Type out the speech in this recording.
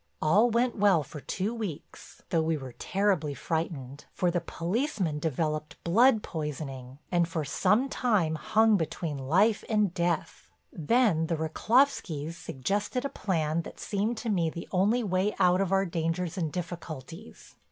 "All went well for two weeks, though we were terribly frightened, for the policeman developed blood poisoning, and for some time hung between life and death. Then the Rychlovskys suggested a plan that seemed to me the only way out of our dangers and difficulties.